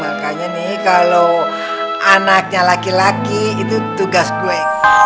makanya nih kalau anaknya laki laki itu tugas gue